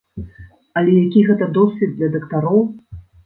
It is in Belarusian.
Але які гэта досвед для дактароў!